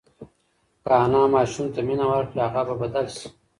که انا ماشوم ته مینه ورکړي، هغه به بدل شي.